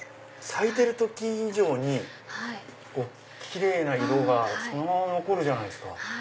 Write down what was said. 咲いてる時以上にキレイな色がそのまま残るじゃないですか。